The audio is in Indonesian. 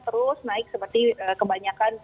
terus naik seperti kebanyakan